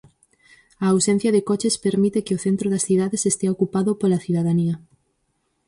A ausencia de coches permite que o centro das cidades estea ocupado pola cidadanía.